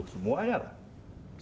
semua ya pak